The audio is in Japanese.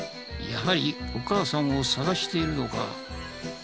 やはりお母さんを捜しているのか？